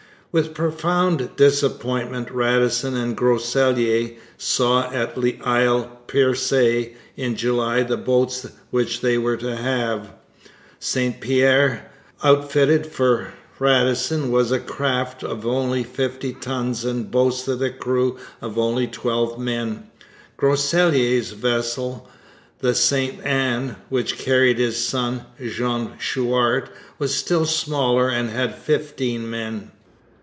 With profound disappointment Radisson and Groseilliers saw at Isle Percé in July the boats which they were to have. The St Pierre, outfitted for Radisson, was a craft of only fifty tons and boasted a crew of only twelve men. Groseilliers' vessel, the St Anne, which carried his son, Jean Chouart, was still smaller and had fifteen men.